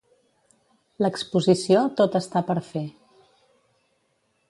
L'exposició Tot està per fer.